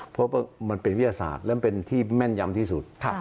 เพราะมันเป็นวิทยาศาสตร์และมันเป็นที่แม่นยำที่สุด